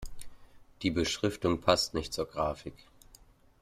Die Beschriftung passt nicht zur Grafik.